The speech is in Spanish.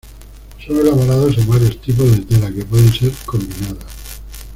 Son elaborados en varios tipos de tela que pueden ser combinadas.